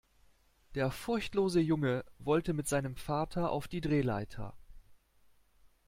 Der furchtlose Junge wollte mit seinem Vater auf die Drehleiter.